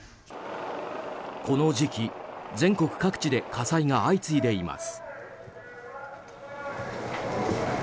この時期、全国各地で火災が相次いでいます。